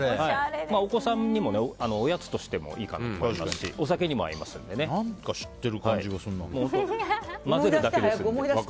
お子さんにも、おやつとしてもいいかなと思いますし何か知ってる感じがするな。